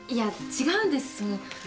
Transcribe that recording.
違うんですその。